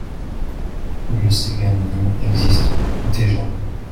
Le CV anonyme existe déjà.